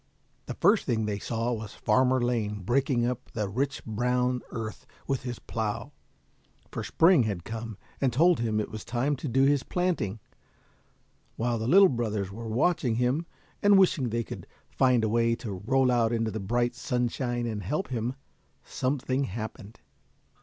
The first thing they saw was Farmer Lane breaking up the rich brown earth with his plough, for Spring had come, and told him it was time to do his planting, while the little brothers were watching him, and wishing they could find a way to roll out into the bright sunshine and help him, something happened.